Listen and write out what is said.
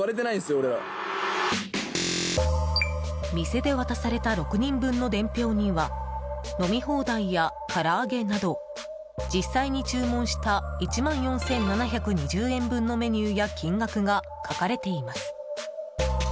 店で渡された６人分の伝票には飲み放題やから揚げなど実際に注文した１万４７２０円分のメニューや金額が書かれています。